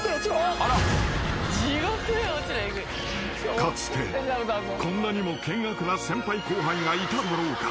［かつてこんなにも険悪な先輩後輩がいただろうか？］